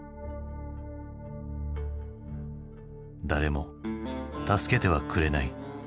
誰も助けてはくれない。